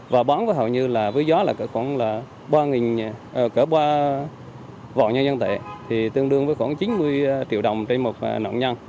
và bán với họ như là với gió là khoảng ba vọ nhân dân tệ tương đương với khoảng chín mươi triệu đồng trên một nạn nhân